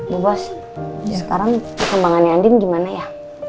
bu bos sekarang kekembangannya andin gimana ya